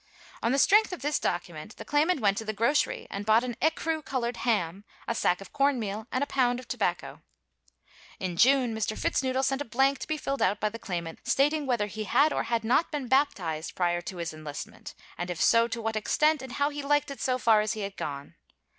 On the strength of this document the claimant went to the grocery and bought an ecru colored ham, a sack of corn meal and a pound of tobacco. In June Mr. Fitznoodle sent a blank to be filled out by the claimant, stating whether he had or had not been baptized prior to his enlistment; and, if so, to what extent, and how he liked it so far as he had gone.